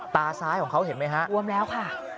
ตาซ้ายของเขาเห็นไหมฮะ